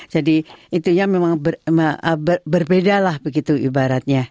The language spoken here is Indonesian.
jadi itu ya memang berbeda lah begitu ibaratnya